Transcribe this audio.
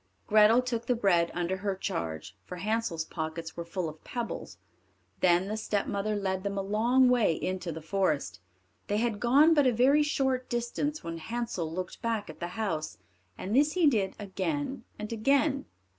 Grethel took the bread under her charge, for Hansel's pockets were full of pebbles. Then the stepmother led them a long way into the forest. They had gone but a very short distance when Hansel looked back at the house, and this he did again and again.